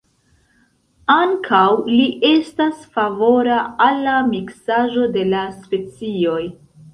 Ankaŭ li estas favora al la miksaĵo de la specioj.